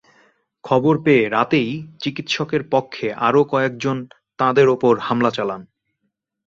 খবর পেয়ে রাতেই চিকিৎসকের পক্ষে আরও কয়েকজন তাঁদের ওপর হামলা চালান।